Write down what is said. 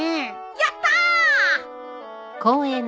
やったー！